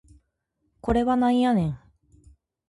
これはなんやねん